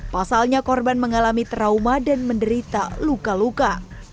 pasalnya korban mengalami trauma dan menderita luka luka